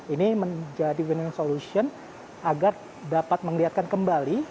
ini menjadi win win solution agar dapat menglihatkan kembali